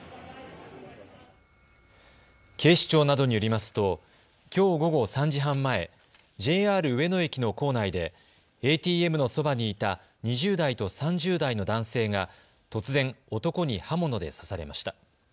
警視庁などによりますときょう午後３時半前、ＪＲ上野駅の構内でＡＴＭのそばにいた２０代と３０代の男性が突然、男に刃物で刺されました。